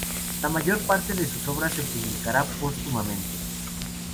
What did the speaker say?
La mayor parte de sus obras se publicará póstumamente.